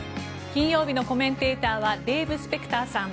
金曜日のコメンテーターはデーブ・スペクターさん